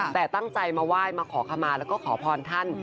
แต่ตั้งใจมาไหว้มาขอขมาแล้วก็ขอพรท่าน